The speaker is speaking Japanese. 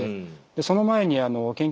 その前に研究